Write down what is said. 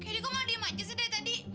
edi kok mau diam aja sih dari tadi